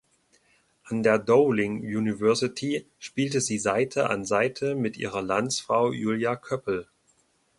An der Dowling University spielte sie Seite an Seite mit ihrer Landsfrau Julia Köppl.